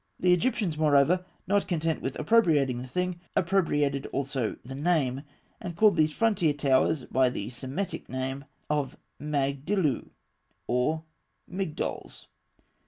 The Egyptians, moreover, not content with appropriating the thing, appropriated also the name, and called these frontier towers by the Semitic name of Magdilû or Migdols.